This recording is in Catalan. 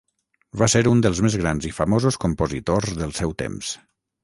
Va ser un dels més grans i famosos compositors del seu temps.